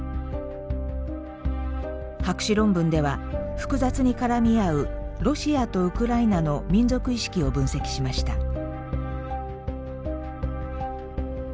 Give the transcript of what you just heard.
博士論文では複雑に絡み合うロシアとウクライナの民族意識を分析しました。